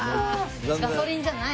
ガソリンじゃない？